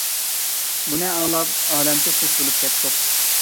بۇنى ئاڭلاپ ئالەمچە خۇش بولۇپ كەتتۇق.